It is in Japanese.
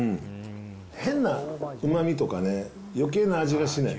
変なうまみとかね、余計な味がしない。